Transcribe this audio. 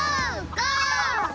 ゴー！